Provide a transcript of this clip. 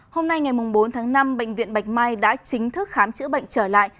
hôm nay ngày bốn tháng năm bệnh viện bạch mai đã chính thức khám chữa bệnh trở lại